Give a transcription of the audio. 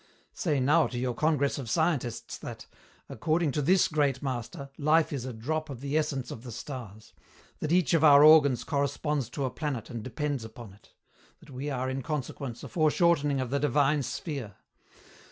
Say now to your congress of scientists that, according to this great master, life is a drop of the essence of the stars, that each of our organs corresponds to a planet and depends upon it; that we are, in consequence, a foreshortening of the divine sphere.